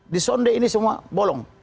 di sonde ini semua bolong